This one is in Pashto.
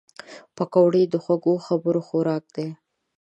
پکورې د خوږو خبرو خوراک دي